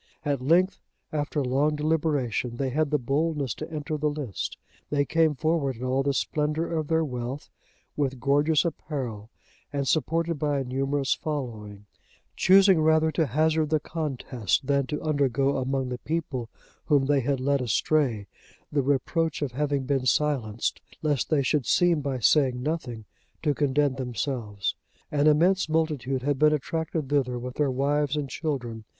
At length, after long deliberation, they had the boldness to enter the lists.(94) They came forward in all the splendour of their wealth, with gorgeous apparel, and supported by a numerous following; choosing rather to hazard the contest, than to undergo among the people whom they had led astray, the reproach of having been silenced, lest they should seem by saying nothing to condemn themselves. An immense multitude had been attracted thither with their wives and children.